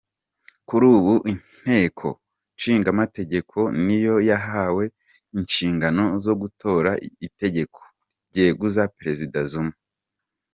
Kuri ubu inteko nshingamategeko niyo yahawe inshingano zo gutora itegeko ryeguza Perezida Zuma.